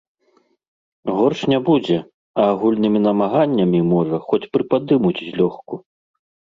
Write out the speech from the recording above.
Горш не будзе, а агульнымі намаганнямі, можа, хоць прыпадымуць злёгку.